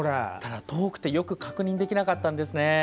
遠くてよく確認できなかったんですよね。